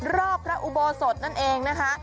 พระอุโบสถนั่นเองนะคะ